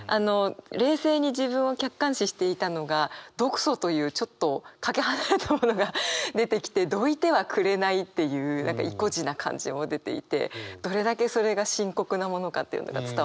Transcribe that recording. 冷静に自分を客観視していたのが「毒素」というちょっとかけ離れたものが出てきて「どいてはくれない」っていういこじな感じも出ていてどれだけそれが深刻なものかというのが伝わってくるなと思いました。